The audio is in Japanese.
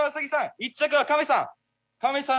１着はカメさん！